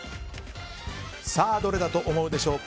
さあ、どれだと思うでしょうか。